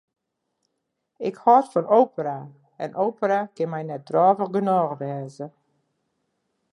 Ik hâld fan opera en opera kin my net drôvich genôch wêze.